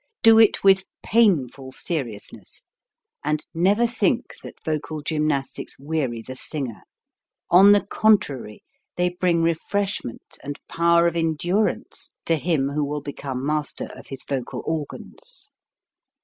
Do it with painful seriousness; and never think that vocal gymnastics weary the singer. On the contrary, they bring refreshment and power of endurance to him who will become master of his vocal organs.